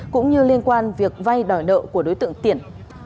cũng như liên quan việc vay đòi nợ của đối tượng tiện